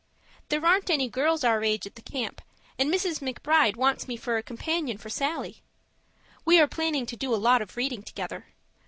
There aren't any girls our age at the camp, and Mrs. McBride wants me for a companion for Sallie. We are planning to do a lot of reading together.